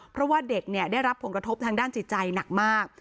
เพราะว่าเด็กได้รับผลกระทบทางด้านจิตใจหนักมาก